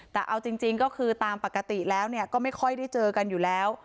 แต่เอาจริงก็คือตามปกติแล้วก็ไม่ค่อยได้เจอกันอยู่แล้ว